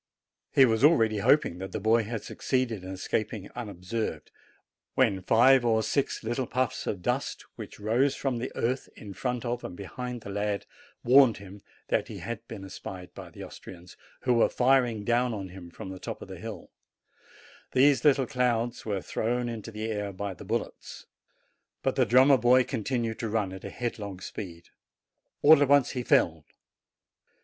He was already hoping that the boy had succeeded in escaping unobserved, when five or six little puffs of dust, which rose from the earth in front of and behind the lad, warned him that he had been espied by the Austrians, who were firing down upon him from the top of the hill : these little clouds were thrown into the air by the bullets. But the drummer continued to run at a headlong speed. All at once he fell.